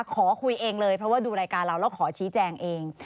ขอคุยเองเลยเพราะว่าดูรายการเราแล้วขอชี้แจงเอง